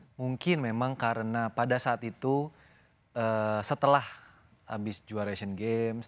mungkin memang karena pada saat itu setelah habis juara asian games